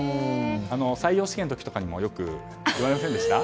採用試験の時とかもよく言われませんでした？